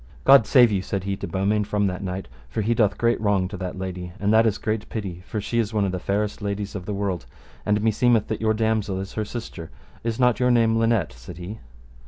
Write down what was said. God save you, said he to Beaumains, from that knight, for he doth great wrong to that lady, and that is great pity, for she is one of the fairest ladies of the world, and meseemeth that your damosel is her sister: is not your name Linet? said he.